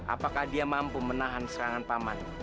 apakah dia mampu menahan serangan pak man